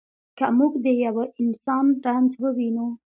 که موږ د یوه انسان رنځ ووینو.